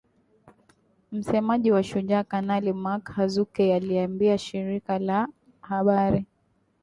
Msemaji wa Shujaa, Kanali Mak Hazukay aliliambia shirika la habari